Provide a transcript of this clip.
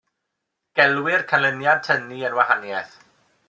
Gelwir canlyniad tynnu yn wahaniaeth.